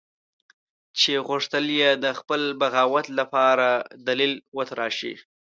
چې غوښتل یې د خپل بغاوت لپاره دلیل وتراشي.